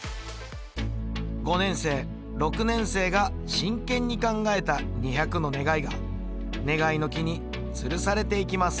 ５年生６年生が真剣に考えた２００の願いが願いの木につるされていきます